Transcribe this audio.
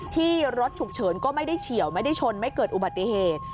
ที่รถฉุกเฉินก็ไม่ได้เฉียวไม่ได้ชนไม่เกิดอุบัติเหตุ